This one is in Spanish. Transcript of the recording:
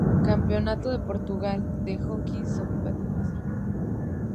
Campeonato de Portugal de hockey sobre patines